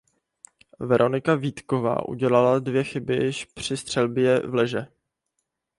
Veronika Vítková udělala dvě chyby již při střelbě vleže.